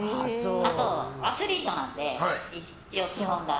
アスリートなので一応基本が。